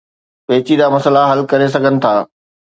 پيچيده مسئلا حل ڪري سگهن ٿا